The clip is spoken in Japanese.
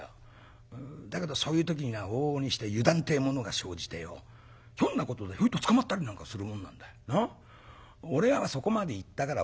だけどそういう時にな往々にして油断ってえものが生じてよひょんなことでひょいと捕まったりなんかするもんなんだよ。俺はそこまでいったから分かるんだよ。